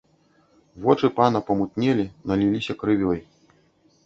Вочы пана памутнелі, наліліся крывёй.